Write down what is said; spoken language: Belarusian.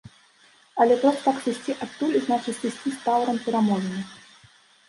Але проста так сысці адтуль, значыць, сысці з таўром пераможаных.